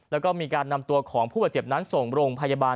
แล้วก็มีการนำตัวของผู้บาดเจ็บนั้นส่งโรงพยาบาล